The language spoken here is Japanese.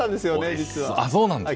実は。